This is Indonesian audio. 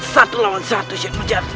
satu lawan satu jenur titik